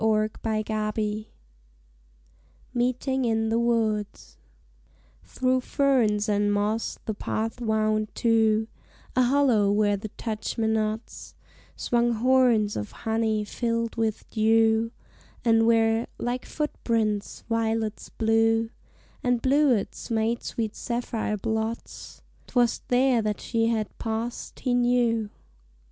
Why, why, ah me! MEETING IN THE WOODS Through ferns and moss the path wound to A hollow where the touchmenots Swung horns of honey filled with dew; And where like foot prints violets blue And bluets made sweet sapphire blots, 'Twas there that she had passed he knew.